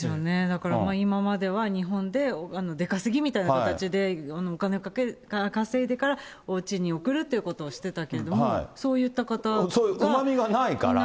だから今までは、日本で出稼ぎみたいな形でお金を稼いでからおうちに送るということをしてたけども、うまみがないから。